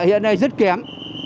hiện nay rất kém